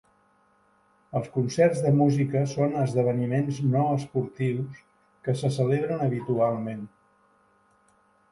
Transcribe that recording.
Els concerts de música són esdeveniments no esportius que se celebren habitualment.